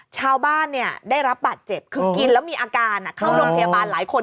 ชาวบ้านได้รับบาดเจ็บคือกินแล้วมีอาการเข้าโรงพยาบาลหลายคน